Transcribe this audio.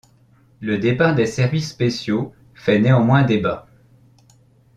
Le départ des services spéciaux fait néanmoins débat.